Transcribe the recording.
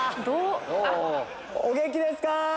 お元気ですか！